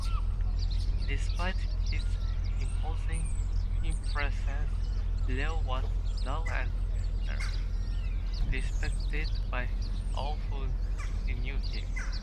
Despite his imposing presence, Leo was loved and respected by all who knew him.